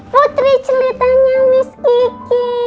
putri celitanya miss kiki